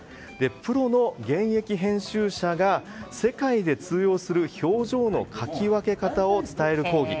プロの現役編集者が世界で通用する表情の描き分け方を伝える講義。